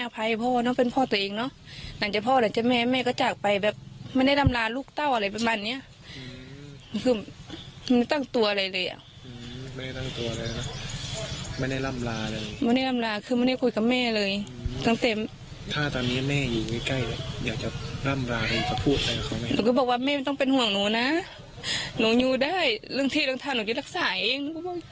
เป็นห่วงหนูนะหนูอยู่ได้เรื่องที่เรื่องทางหนูจะรักษาเอง